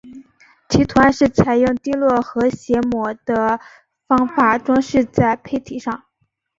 其图案是采用滴落和揩抹的方法装饰在坯体上。